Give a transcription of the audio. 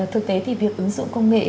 thực tế thì việc ứng dụng công nghệ